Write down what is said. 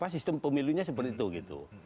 sistem pemilihnya seperti itu